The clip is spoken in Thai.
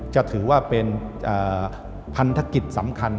จะถือว่าเป็นพันธกิจสำคัญ